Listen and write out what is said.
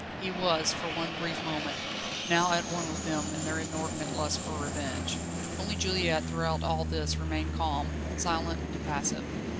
He was, for one brief moment, now at one with them in their inordinate lust for revenge. Only Juliette throughout all this remained calm, silent, impassive.